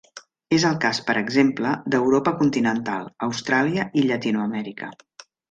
És el cas, per exemple, d'Europa continental, Austràlia i Llatinoamèrica.